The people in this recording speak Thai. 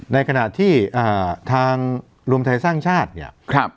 ในขณะที่ทางรวมไทยสร้างชาติเนี่ย